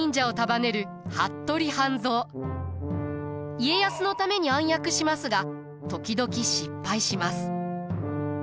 家康のために暗躍しますが時々失敗します。